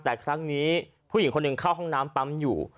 แต่ครั้งนี้ผู้หญิงคนหนึ่งเข้าห้องน้ำปั๊มอยู่